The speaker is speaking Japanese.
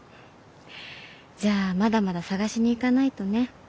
じゃあまだまだ探しに行かないとね。